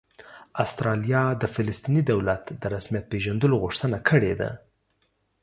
استرالیا د فلسطیني دولت د رسمیت پېژندلو غوښتنه کړې ده